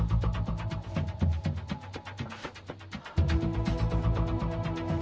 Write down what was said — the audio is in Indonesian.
aku sudah berhenti